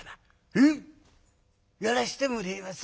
「へえやらしてもれえます」。